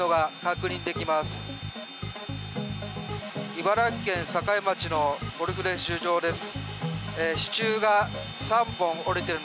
茨城県境町のゴルフ練習場です。